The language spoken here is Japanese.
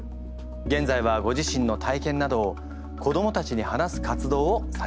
げんざいはご自身の体験などを子どもたちに話す活動をされています。